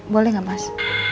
boleh nggak mas